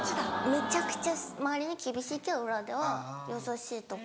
めちゃくちゃ周りに厳しいけど裏では優しいとか。